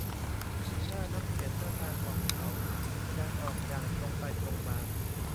สีหน้า น้ำเสียง ท่าทางของเขาแสดงออกอย่างตรงไปตรงมา